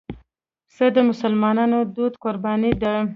پسه د مسلمانانو دودي قرباني ده.